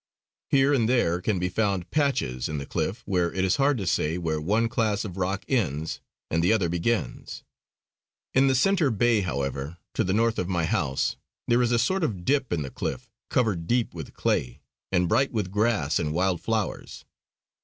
Here and there can be found patches in the cliff where it is hard to say where one class of rock ends and the other begins. In the centre bay, however, to the north of my house, there is a sort of dip in the cliff covered deep with clay, and bright with grass and wild flowers.